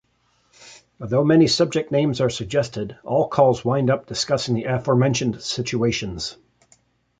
Although many subject names are suggested, all calls wind up discussing the aforementioned situations.